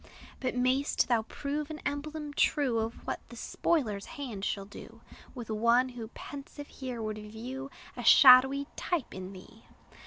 But may'st thou prove an emblem true Of what the spoiler's hand shall do With one, who pensive here would view A shadowy type in thee!